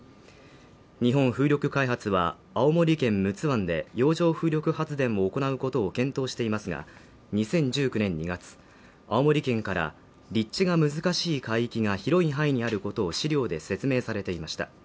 日本風力開発は青森県陸奥湾で洋上風力発電も行うことを検討していますが２０１９年２月青森県から立地が難しい海域が広い範囲にあることを資料で説明されていました